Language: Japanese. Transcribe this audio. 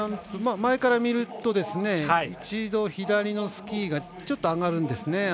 前から見ると、一度左のスキーがちょっと上がるんですね。